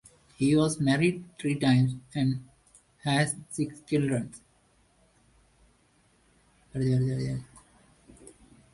He was married three times and has six children.